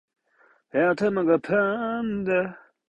頭がパーン